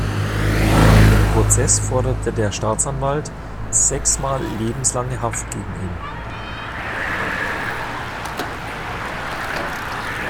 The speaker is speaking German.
Im Prozess forderte der Staatsanwalt sechs Mal lebenslange Haft gegen ihn.